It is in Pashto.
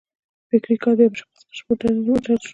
فکري کار په یو مشخص قشر پورې وتړل شو.